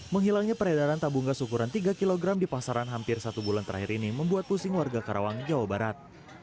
menghilangnya peredaran tabung gas ukuran tiga kg di pasaran hampir satu bulan terakhir ini membuat pusing warga karawang jawa barat